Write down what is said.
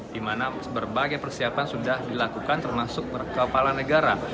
di mana berbagai persiapan sudah dilakukan termasuk kepala negara